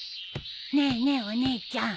ねえねえお姉ちゃん。